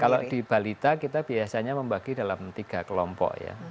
kalau di balita kita biasanya membagi dalam tiga kelompok ya